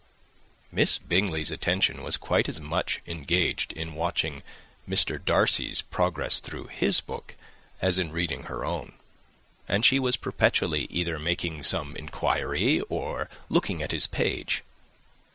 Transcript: Miss Bingley's attention was quite as much engaged in watching Mr. Darcy's progress through his book, as in reading her own; and she was perpetually either making some inquiry, or looking at his page.